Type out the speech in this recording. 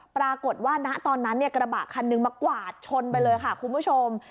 ปรากฏว่าณตอนนั้นกระบะคันหนึ่งมากวาดชนไปเลยค่ะคุณผู้ชม